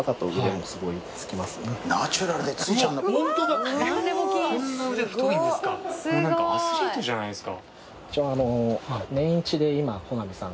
もうなんかアスリートじゃないですか。